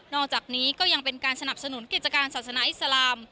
อกจากนี้ก็ยังเป็นการสนับสนุนกิจการศาสนาอิสลาม